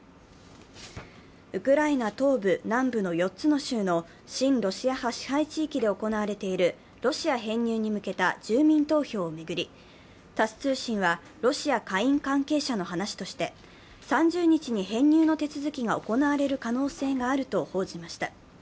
ウクライナ東部、南部の４つの州の親ロシア派支配地域で行われているロシア編入に向けた住民投票を巡り、タス通信は、ロシア下院関係者の話として、３０日に編入の手続きが行われる可能性があると報じました。